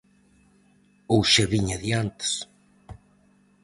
Ou xa viña de antes...